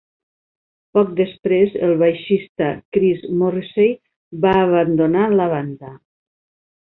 Poc després, el baixista Chris Morrisey va abandonar la banda.